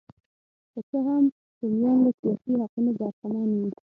که څه هم رومیان له سیاسي حقونو برخمن وو